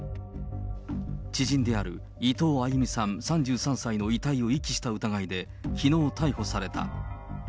知人である伊藤亜佑美さん３３歳の遺体を遺棄した疑いで、きのう逮捕された。